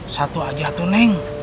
satu aja tuh neng